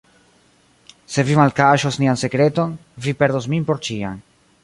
Se vi malkaŝos nian sekreton, vi perdos min por ĉiam.